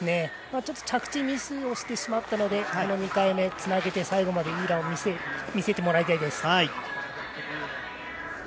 着地、ミスをしてしまったのでこの２回目つなげて、最後までいいランを見せてもらいたいです。